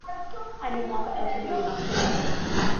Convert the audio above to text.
hadi mwaka elfu mbili na kumi na nane